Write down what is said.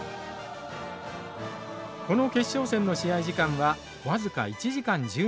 この決勝戦の試合時間は僅か１時間１２分。